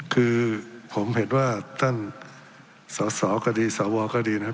คือผมเห็นว่าท่านสอสอก็ดีสวก็ดีนะครับ